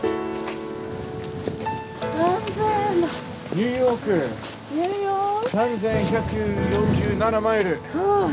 ニューヨーク３，１４７マイル。